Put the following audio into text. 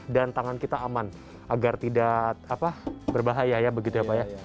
dan tangan kita aman agar tidak berbahaya begitu ya pak